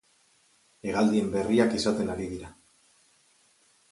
Hegaldien berriak izaten ari dira.